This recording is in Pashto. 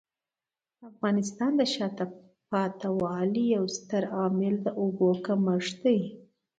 د افغانستان د شاته پاتې والي یو ستر عامل د اوبو کمښت دی.